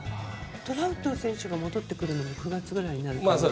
トラウト選手が帰ってくるのも９月ぐらいになる感じですか。